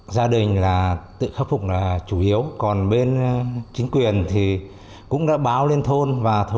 gia đình là tự khắc phục là chủ yếu còn bên chính quyền thì cũng đã báo lên thôn